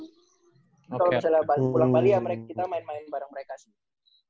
kalau misalnya pulang bali ya kita main main bareng mereka semua